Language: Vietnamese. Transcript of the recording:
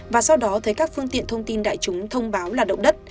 và sau đó thấy các phương tiện thông tin đại chúng thông báo là động đất